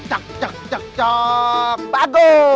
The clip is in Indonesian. terima kasih pak